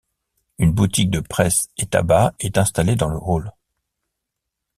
Une boutique de presse et tabac est installée dans le hall.